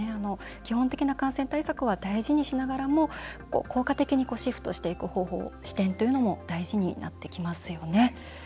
基本的な感染対策は大事にしながらも効果的にシフトしていく方法視点というのも大事になってきますよね。